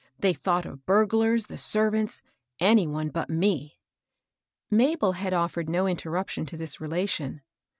They thoi\ght of burglars, the servants, any one but me." Mabel had offered no interruption to this rela tion.